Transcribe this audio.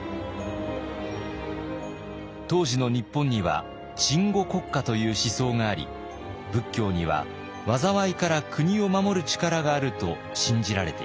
当時の日本には鎮護国家という思想があり仏教には災いから国を守る力があると信じられていました。